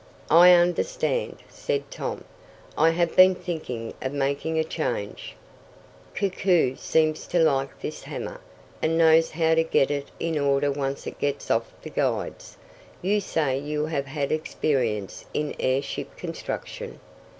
"I understand," said Tom. "I have been thinking of making a change. Koku seems to like this hammer, and knows how to get it in order once it gets off the guides. You say you have had experience in airship construction?"